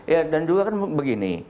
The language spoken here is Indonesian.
ya dan juga kan begini